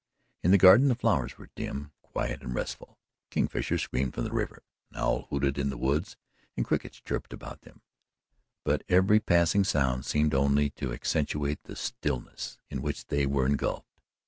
In the garden the flowers were dim, quiet and restful. A kingfisher screamed from the river. An owl hooted in the woods and crickets chirped about them, but every passing sound seemed only to accentuate the stillness in which they were engulfed.